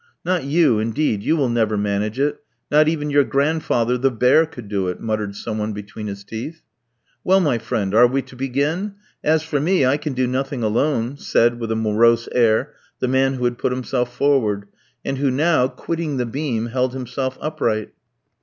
"Not you, indeed, you will never manage it; not even your grandfather, the bear, could do it," muttered some one between his teeth. "Well, my friend, are we to begin? As for me, I can do nothing alone," said, with a morose air, the man who had put himself forward, and who now, quitting the beam, held himself upright.